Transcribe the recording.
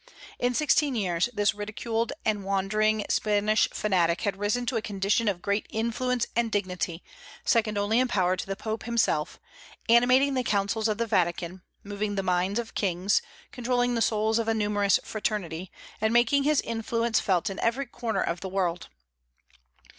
In sixteen years, this ridiculed and wandering Spanish fanatic had risen to a condition of great influence and dignity, second only in power to the Pope himself; animating the councils of the Vatican, moving the minds of kings, controlling the souls of a numerous fraternity, and making his influence felt in every corner of the world.